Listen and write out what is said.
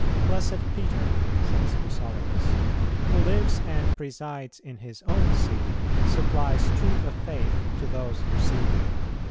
"Blessed Peter," says Chrysologus, "who lives and presides in his own See, supplies truth of faith to those who seek it."